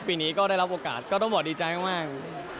ปีนี้ก็ได้รับโอกาสก็ต้องบอกดีใจมาก